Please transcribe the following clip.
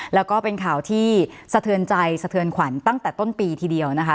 แล้วก็เป็นข่าวที่สะเทือนใจสะเทือนขวัญตั้งแต่ต้นปีทีเดียวนะคะ